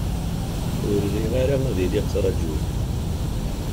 Ur riɣ ara ad iliɣ trajuɣ.